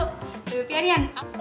bebe pilih anian